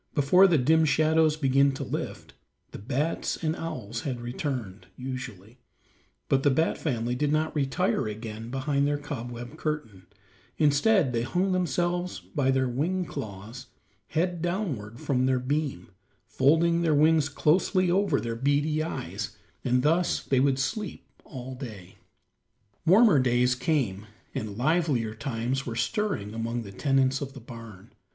Before the dim shadows began to lift, the bats and owls had returned, usually, but the bat family did not retire again behind their cobweb curtain; instead they hung themselves by their wing claws head downward from their beam, folding their wings closely over their beady eyes, and thus they would sleep all day. Warmer days came, and livelier times were stirring among the tenants of the barn.